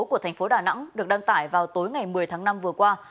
của thành phố đà nẵng được đăng tải vào tối ngày một mươi tháng năm vừa qua